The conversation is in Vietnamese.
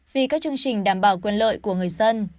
vì các chương trình đảm bảo quyền lợi của người dân